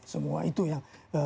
semua itu yang